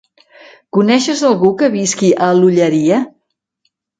Coneixes algú que visqui a l'Olleria?